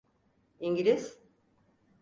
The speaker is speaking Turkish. İngiliz…